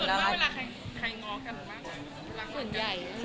ส่วนเมื่อเวลาใครง้อกันบ้างส่วนใหญ่